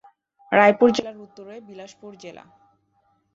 রায়পুর জেলার উত্তরে বিলাসপুর জেলা।